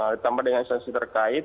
ditambah dengan istansi terkait